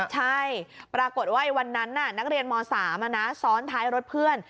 ใช่ปรากฏว่าวันนั้นนักเรียนม๓ซ้อนท้ายรถเพื่อน